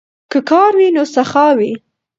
که کار وي نو سخا وي.